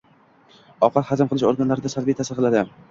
Ovqat hazm qilish organlariga salbiy taʼsir qiladi.